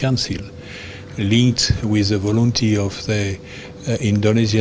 yang ditutupi dengan keinginan pemerintah indonesia